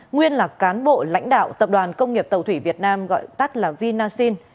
nguyên là cán bộ lãnh đạo tập đoàn công nghiệp tàu thủy việt nam gọi tắt là vinasin